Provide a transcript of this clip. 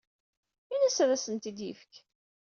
Ini-as ad asen-tent-id-yefk.